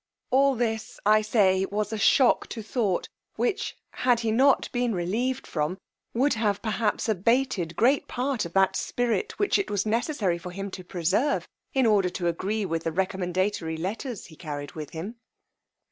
All this, I say, was a shock to thought, which, had he not been relieved from, would have perhaps abated great part of that spirit which it was necessary for him to preserve, in order to agree with the recommendatory letters he carried with him.